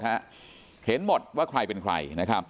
เห็นหมดว่าใครเป็นใคร